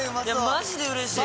マジでうれしい！